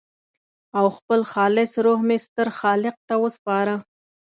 او خپل خالص روح مې ستر خالق ته وسپاره.